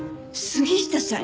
杉下さん。